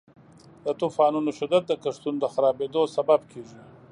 د طوفانونو شدت د کښتونو د خرابیدو سبب کیږي.